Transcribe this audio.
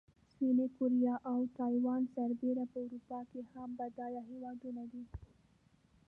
سویلي کوریا او تایوان سربېره په اروپا کې هم بډایه هېوادونه دي.